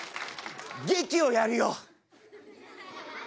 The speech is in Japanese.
劇をやるよ！